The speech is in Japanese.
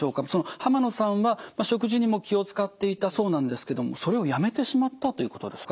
濱野さんは食事にも気を遣っていたそうなんですけどもそれをやめてしまったということですか？